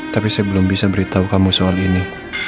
tapi saya belum bisa beritahu kamu soal ini